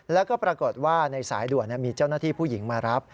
แล้วก็ปรากฏว่าในสายด่วนมีเจ้าหน้าที่ผู้หญิงมารับ